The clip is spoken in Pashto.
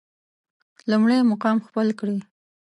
لومړی مقام خپل کړي.